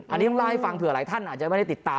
อันนี้ต้องเล่าให้ฟังเผื่อหลายท่านอาจจะไม่ได้ติดตาม